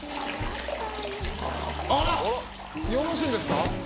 よろしいんですか！？